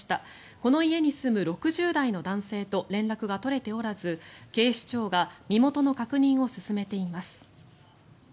この家に住む６０代の男性と連絡が取れておらず警視庁が身元の確認を進めています。